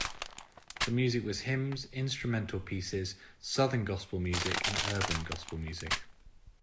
The music was hymns, instrumental pieces, southern gospel music, and urban gospel music.